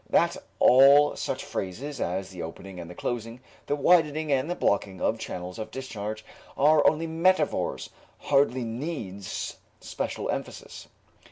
That all such phrases as the opening and the closing, the widening and blocking, of channels of discharge are only metaphors hardly needs special emphasis.